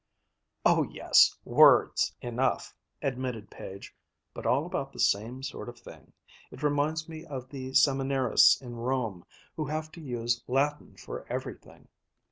"Oh yes, words enough!" admitted Page, "but all about the same sort of thing. It reminds me of the seminarists in Rome, who have to use Latin for everything.